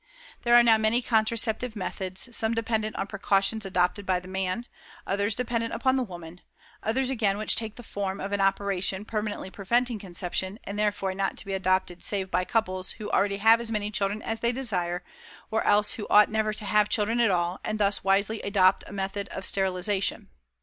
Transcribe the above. There are now many contraceptive methods, some dependent on precautions adopted by the man, others dependent upon the woman, others again which take the form of an operation permanently preventing conception, and, therefore, not to be adopted save by couples who already have as many children as they desire, or else who ought never to have children at all and thus wisely adopt a method of sterilization.